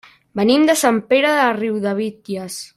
Venim de Sant Pere de Riudebitlles.